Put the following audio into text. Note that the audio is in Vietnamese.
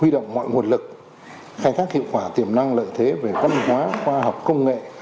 huy động mọi nguồn lực khai thác hiệu quả tiềm năng lợi thế về văn hóa khoa học công nghệ